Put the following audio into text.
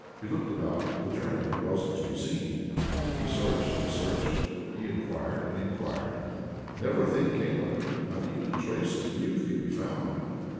He looked about; the journeyman wasn't to be seen. He searched and searched, he enquired and enquired, never a thing came of it; not even a trace of the youth could be found.